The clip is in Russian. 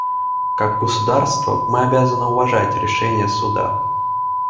Как государства мы обязаны уважать решения Суда.